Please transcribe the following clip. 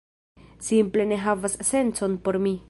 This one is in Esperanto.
Simple ne havas sencon por mi